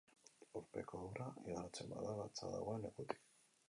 Lurpeko ura igarotzen bada gatza dagoen lekutik.